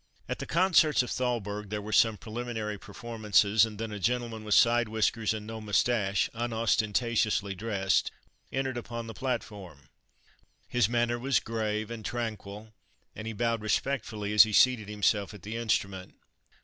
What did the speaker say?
At the concerts of Thalberg there were some preliminary performances, and then a gentleman with side whiskers and no mustache, unostentatiously dressed, entered upon the platform. His manner was grave and tranquil, and he bowed respectfully as he seated himself at the instrument.